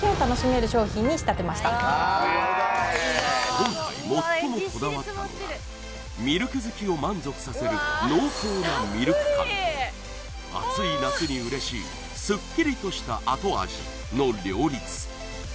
今回最もこだわったのがミルク好きを満足させる暑い夏に嬉しいスッキリとした後味の両立